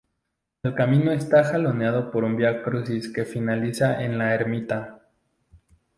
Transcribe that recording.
El camino está jalonado por un vía crucis que finaliza en la ermita.